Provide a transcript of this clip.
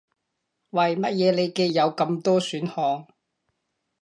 為乜嘢你嘅有咁多選項